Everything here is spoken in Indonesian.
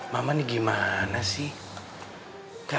malah if i can't do something again